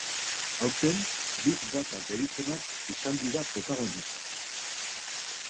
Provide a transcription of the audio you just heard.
Aurten, big data deritzonak izan dira protagonista.